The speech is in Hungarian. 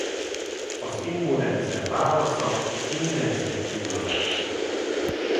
Az immunrendszer válasza intenzív gyulladás.